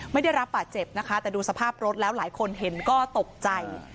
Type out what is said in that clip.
ไม่ได้รับบาดเจ็บนะคะแต่ดูสภาพรถแล้วหลายคนเห็นก็ตกใจ